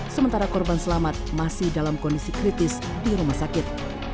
sementara korban selamat masih dalam kondisi kritis di rumah sakit